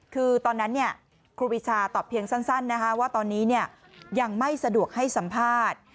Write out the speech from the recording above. คือตอนนั้นครูปีชาตอบเพียงสั้นว่าตอนนี้ยังไม่สะดวกให้สัมภาษณ์